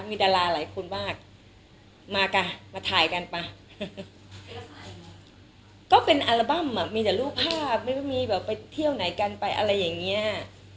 มีดาราหลายคนมากมากันมาถ่ายกันป่ะก็เป็นอัลบั้มอ่ะมีแต่รูปภาพไม่รู้มีแบบไปเที่ยวไหนกันไปอะไรอย่างนี้